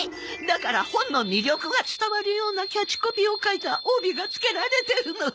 だから本の魅力が伝わるようなキャッチコピーを書いた帯がつけられてるの。